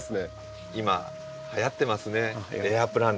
今はやってますねエアプランツ。